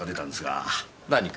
何か？